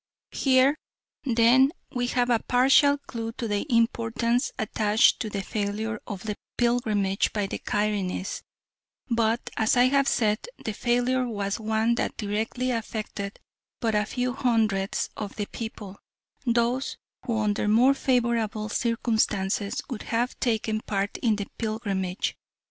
Here, then, we have a partial clue to the importance attached to the failure of the pilgrimage by the Cairenes, but, as I have said, the failure was one that directly affected but a few hundreds of the people those who under more favourable circumstances would have taken part in the pilgrimage.